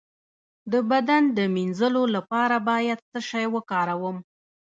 د بدن د مینځلو لپاره باید څه شی وکاروم؟